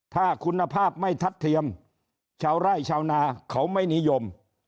ถ้าคุณภาพไม่ทัดเทียมชาวไร่ชาวนาเขาไม่นิยม